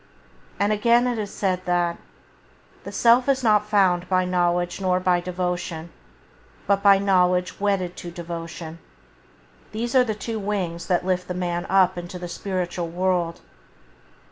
And again it is said that: "The Self is not found by knowledge nor by devotion, but by knowledge wedded to devotion". These are the two wings that lift the man up into the spiritual world.